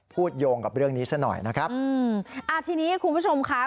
โยงกับเรื่องนี้ซะหน่อยนะครับอืมอ่าทีนี้คุณผู้ชมค่ะ